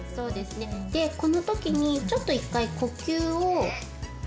でこの時にちょっと１回呼吸を。